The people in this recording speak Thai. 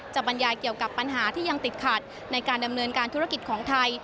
บรรยายเกี่ยวกับปัญหาที่ยังติดขัดในการดำเนินการธุรกิจของไทย